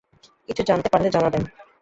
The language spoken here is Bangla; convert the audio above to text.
কিছু জানতে পারলে জানাবেন।